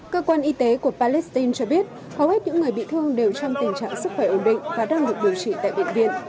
cơ quan y tế của palestine cho biết hầu hết những người bị thương đều trong tình trạng sức khỏe ổn định và đang được điều trị tại bệnh viện